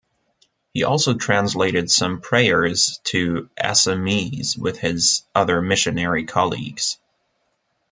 He also translated some prayers to Assamese with his other missionary colleagues.